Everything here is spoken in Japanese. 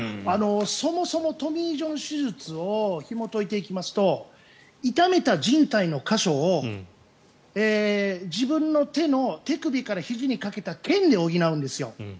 そもそもトミー・ジョン手術をひもといていきますと痛めたじん帯の箇所を自分の手首からひじにかけた腱で補うんですよ。